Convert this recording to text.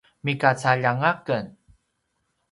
migacaljanga aken